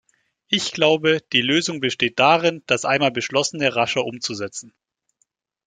Ich glaube, die Lösung besteht darin, das einmal Beschlossene rascher umzusetzen.